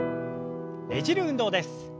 ねじる運動です。